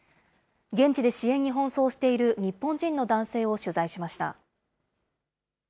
現地で支援に奔走している日本人の男性を取材しました。